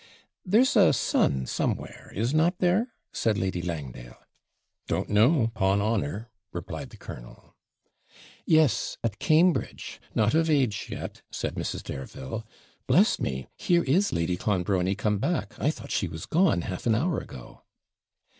'There's a son, somewhere, is not there?' said Lady Langdale. 'Don't know, 'pon honour,' replied the colonel. 'Yes at Cambridge not of age yet,' said Mrs. Dareville. 'Bless me! here is Lady Clonbrony come back. I thought she was gone half an hour ago!'